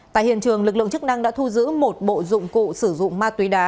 tại hiện trường lực lượng chức năng đã thu giữ một bộ dụng cụ sử dụng ma túy đá